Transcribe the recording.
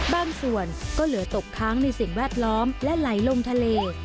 บางส่วนก็เหลือตกค้างในสิ่งแวดล้อมและไหลลงทะเล